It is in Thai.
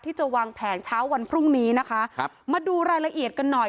ที่จะวางแผนเช้าวันพรุ่งนี้นะคะครับมาดูรายละเอียดกันหน่อย